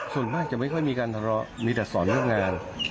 ส่วนมากจะไม่ค่อยมีการทะเลาะมีแต่สอนเรื่องงาน